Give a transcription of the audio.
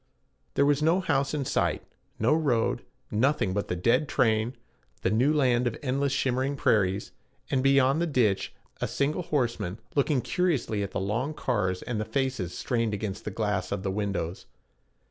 There was no house in sight, no road, nothing but the dead train, the new land of endless shimmering prairies, and, beyond the ditch, a single horseman looking curiously at the long cars and the faces strained against the glass of the windows.